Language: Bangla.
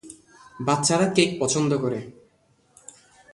বাচ্চারা কেক পছন্দ করে।